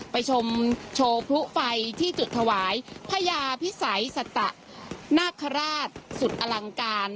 ไปชมโชว์พลุไฟที่จุดถวายพญาพิสัยสตะนาคาราชสุดอลังการ